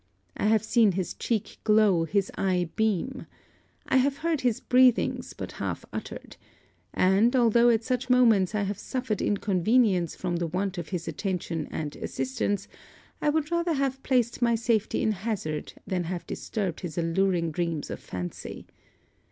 I have seen his cheek glow, his eye beam. I have heard his breathings but half uttered; and, although at such moments I have suffered inconvenience from the want of his attention and assistance, I would rather have placed my safety in hazard than have disturbed his alluring dreams of fancy.